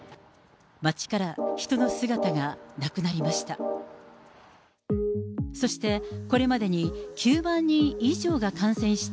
街から人の姿がなくなりました。